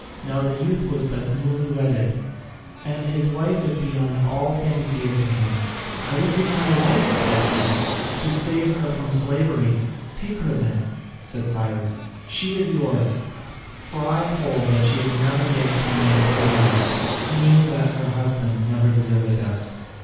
Now the youth was but newly wedded, and his wife was beyond all things dear to him. "I would give my life," said he, "to save her from slavery." "Take her then," said Cyrus, "she is yours. For I hold that she has never yet been made a prisoner, seeing that her husband never deserted us.